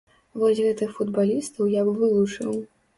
Вось гэтых футбалістаў я б вылучыў.